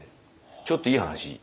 ちょっといい話。